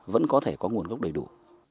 vẫn có thể có nguồn gốc đầy đủ